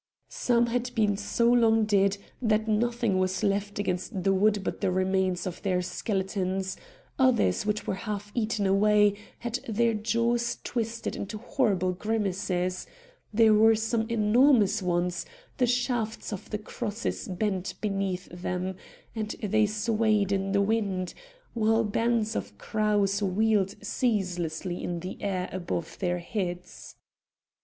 Some had been so long dead that nothing was left against the wood but the remains of their skeletons; others which were half eaten away had their jaws twisted into horrible grimaces; there were some enormous ones; the shafts of the crosses bent beneath them, and they swayed in the wind, while bands of crows wheeled ceaselessly in the air above their heads.